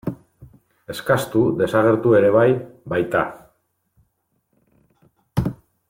Eskastu desagertu ere bai baita.